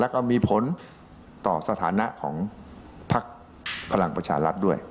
แล้วก็มีผลต่อสถานะของพักพลังประชารัฐด้วย